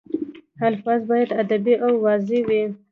الفاظ باید ادبي او واضح وي.